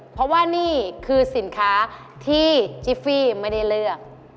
เพราะว่านี่คือสินค้าที่จิฟฟี่ไม่ได้เลือก